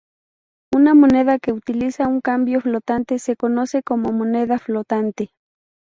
Una moneda que utiliza un cambio flotante se conoce como moneda flotante.